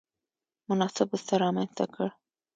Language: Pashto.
مناسب بستر رامنځته کړ.